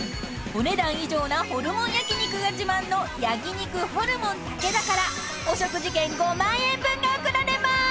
［お値段以上なホルモン焼き肉が自慢の焼肉ホルモンたけ田からお食事券５万円分が贈られます］